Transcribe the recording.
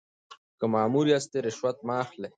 که مامور یاست رشوت مه اخلئ.